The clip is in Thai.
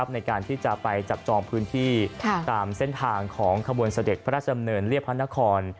ในการที่จะไปจับจองพื้นที่ตามเส้นทางของขบวนเสด็จพระราชดำเนินเรียบพระนคร